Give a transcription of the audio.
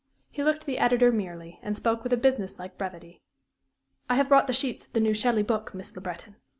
He looked the editor merely, and spoke with a business like brevity. "I have brought the sheets of the new Shelley book, Miss Le Breton.